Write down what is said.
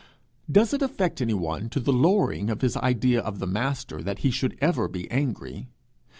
Does it affect anyone to the lowering of his idea of the Master that he should ever be angry?